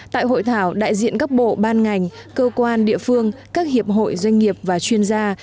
tại hội thảo đại diện các bộ ban ngành cơ quan địa phương các hiệp hội doanh nghiệp và chuyên gia